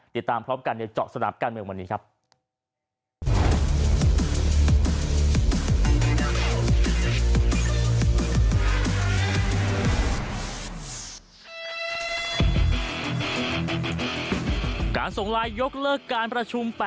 ติดตามพร้อมกันในเจาะสนามการเมืองวันนี้ครับ